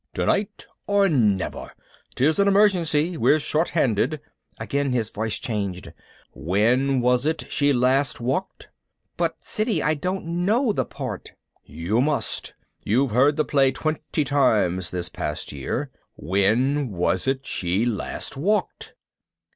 "Tonight or never! 'Tis an emergency we're short handed." Again his voice changed. "When was it she last walked?" "But Siddy, I don't know the part." "You must. You've heard the play twenty times this year past. When was it she last walked?"